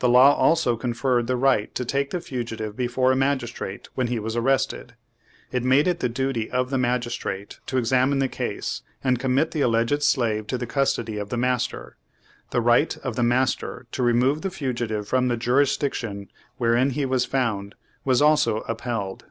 The law also con ferred the right to take the fugitive before a magistrate when he was arrested. It made it the duty of the magistrate to examine the case, and commit the alleged slave to the custody of the master. The right of the master to remove the fugitive from the jurisdiction wherein he was found, was also upheld.